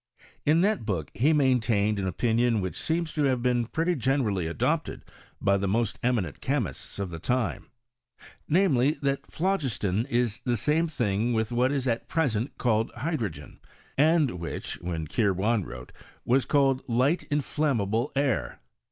In that book he main tained an opinion which seems to have been pretty generally adopted by the most eminent chemists of the time ; namely, that phlogiston is the same thing with what is at present called hydrogen^ and which, when Kirwan vnrote, was called light tii JUmmable air.